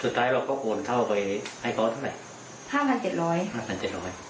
สุดท้ายเราก็โอนเข้าไปให้เขาเท่าไหร่ห้าพันเจ็ดร้อยห้าพันเจ็ดร้อย